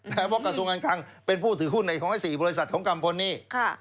เพราะกระทรวงงานคังเป็นผู้ถือหุ้นใน๔บริษัทของกัมพลนี่